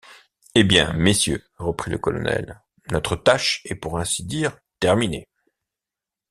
Eh bien, messieurs, reprit le colonel, notre tâche est pour ainsi dire terminée.